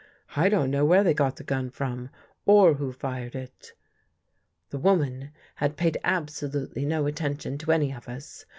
I don't know where they got the gun from or who fired it." The woman had paid absolutely no attention to any of us.